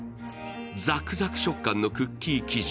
ザクザク食感のクッキー生地。